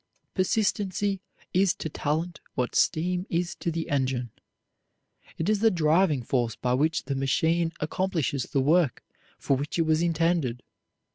Persistency is to talent what steam is to the engine. It is the driving force by which the machine accomplishes the work for which it was intended.